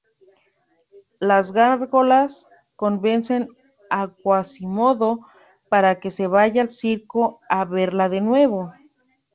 Las gárgolas convencen a Quasimodo para que vaya al circo a verla de nuevo.